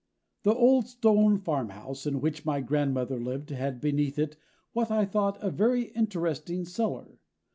The old stone farm house in which my grandmother lived had beneath it what I thought a very interesting cellar.